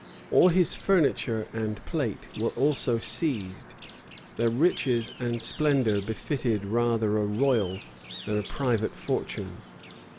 All his furniture and plate were also seized: their riches and splendor befitted rather a royal than a private fortune.